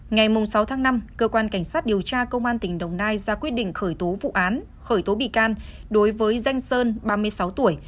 ngày sáu tháng năm cơ quan cảnh sát điều tra công an tỉnh đồng nai ra quyết định khởi tố vụ án khởi tố bị can đối với danh sơn ba mươi sáu tuổi